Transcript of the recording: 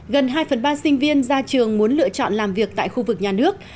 gần hai phần ba sinh viên ra trường muốn lựa chọn làm việc tại khu vực nhà nước